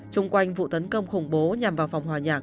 trung quanh vụ tấn công khủng bố nhằm vào phòng hòa nhạc